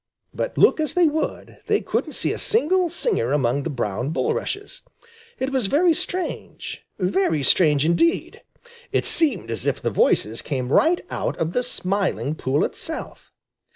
But look as they would, they couldn't see a single singer among the brown bulrushes. It was very strange, very strange indeed! It seemed as if the voices came right out of the Smiling Pool itself!